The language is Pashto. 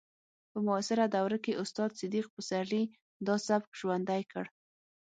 په معاصره دوره کې استاد صدیق پسرلي دا سبک ژوندی کړ